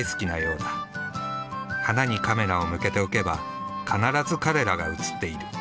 花にカメラを向けておけば必ず彼らが写っている。